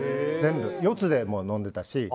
四つで飲んでたし。